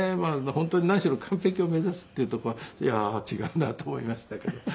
本当に何しろ完璧を目指すっていうところは「いやー違うな」と思いましたけど。